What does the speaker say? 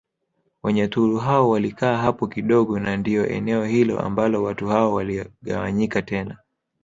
Wanyaturu hao walikaa hapo kidogo na ndio eneo hilo ambalo watu hao waligawanyika tena